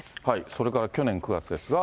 それから去年９月ですが。